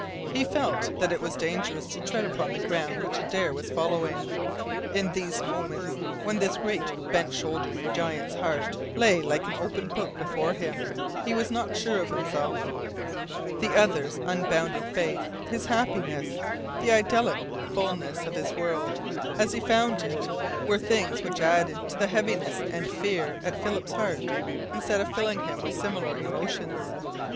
He felt that it was dangerous to tread upon the ground which Adare was following. In these moments, when this great bent shouldered giant's heart lay like an open book before him, he was not sure of himself. The other's unbounded faith, his happiness, the idyllic fulness of his world as he found it, were things which added to the heaviness and fear at Philip's heart instead of filling him with similar emotions.